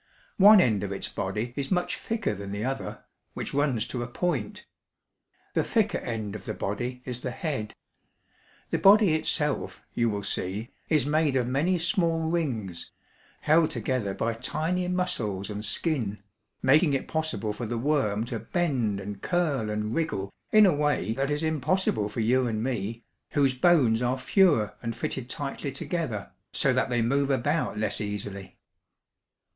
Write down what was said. One end of its body is much thicker than the other, which runs to a point. The thicker end of the body is the head. The body itself, you will see, is made of many small rings, held together by tiny muscles and skin, making it possible for the worm to bend and curl and wriggle in a way that is impossible for you and me, whose bones are fewer and fitted tightly together, so that they move about less easily.